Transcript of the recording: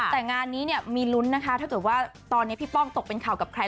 แต่งานนี้เนี่ยมีลุ้นนะคะถ้าเกิดว่าตอนนี้พี่ป้องตกเป็นข่าวกับใคร